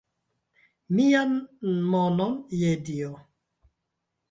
Mian monon, je Dio!